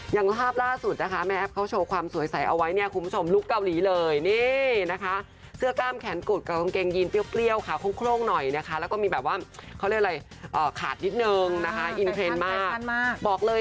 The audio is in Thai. อย่างภาพล่าสุดนะคะแม่แอฟเขาโชว์ความสวยใสเอาไว้เนี่ยคุณผู้ชมลุกเกาหลีเลย